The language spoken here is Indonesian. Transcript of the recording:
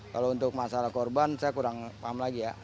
kalau untuk masalah korban saya kurang paham lagi ya